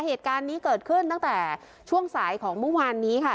เหตุการณ์นี้เกิดขึ้นตั้งแต่ช่วงสายของเมื่อวานนี้ค่ะ